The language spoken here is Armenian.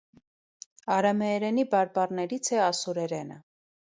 Արամեերենի բարբառներից է ասորերենը։